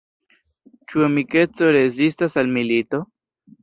Ĉu amikeco rezistas al milito?